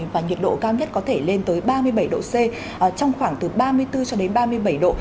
và nhiệt độ cao nhất có thể lên tới ba mươi bảy độ c trong khoảng từ ba mươi bốn cho đến ba mươi bảy độ